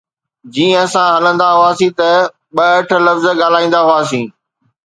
جيئن اسان هلندا هئاسين ته ٻه اٺ لفظ ڳالهائيندا هئاسين